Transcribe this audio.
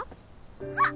あっ！